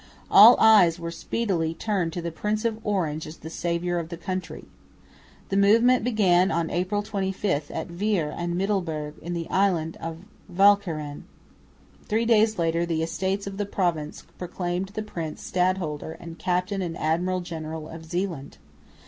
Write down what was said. All eyes were speedily turned to the Prince of Orange as the saviour of the country. The movement began on April 25 at Veere and Middelburg in the island of Walcheren. Three days later the Estates of the Province proclaimed the prince stadholder and captain and admiral general of Zeeland.